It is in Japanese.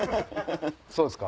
そうですか？